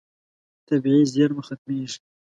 طبیعي زیرمه ختمېږي.